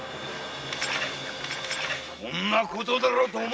・こんなことだろうと思ったよ